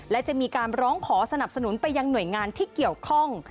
และจะมีการร้องขอสนับสนุนไปยังหน่วยงานที่เกี่ยวข้อง